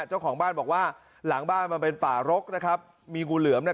เจ้าของบ้านบอกว่าหลังบ้านมันเป็นป่ารกนะครับมีงูเหลือมน่ะ